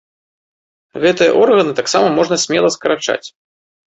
Гэтыя органы таксама можна смела скарачаць.